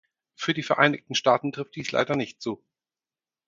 Für die Vereinigten Staaten trifft dies leider nicht zu.